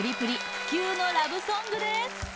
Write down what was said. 不朽のラブソングです